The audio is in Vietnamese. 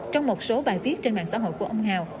trong một số bài viết trên mạng xã hội của ông hào